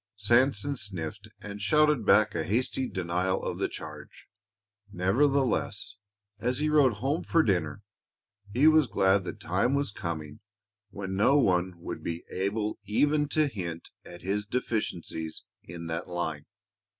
Sanson sniffed and shouted back a hasty denial of the charge. Nevertheless, as he rode home for dinner he was glad the time was coming when no one would be able even to hint at his deficiencies in that line.